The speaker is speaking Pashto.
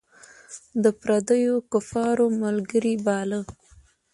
د پردیو کفارو ملګری باله.